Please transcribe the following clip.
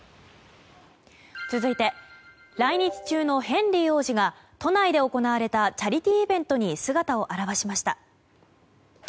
続いて来日中のヘンリー王子が都内で行われたチャリティーイベントに姿を現しました。